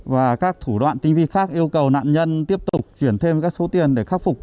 và các thủ đoạn tinh vi khác yêu cầu nạn nhân tiếp tục chuyển thêm các số tiền để khắc phục